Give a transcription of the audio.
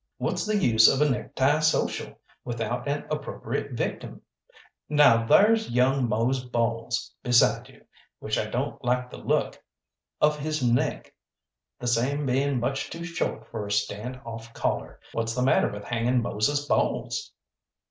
What's the use of a necktie social without an appropriate victim? Now thar's young Mose Bowles beside you which I don't like the look of his neck, the same being much too short for a stand off collar. What's the matter with hanging Moses Bowles?"